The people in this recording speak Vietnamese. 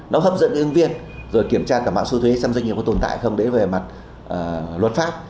nó hấp dẫn cái ứng viên rồi kiểm tra cả mạng xu thuế xem doanh nghiệp có tồn tại không để về mặt luật pháp